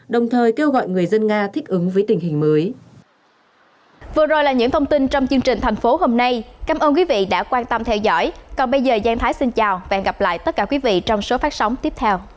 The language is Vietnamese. đồng thời kêu gọi người dân nga thích ứng với tình hình mới